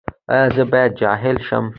ایا زه باید جاهل شم؟